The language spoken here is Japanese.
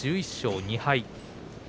１１勝２敗。